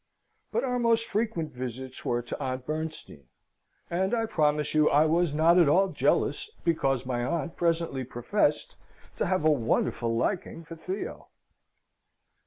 But our most frequent visits were to Aunt Bernstein, and I promise you I was not at all jealous because my aunt presently professed to have a wonderful liking for Theo.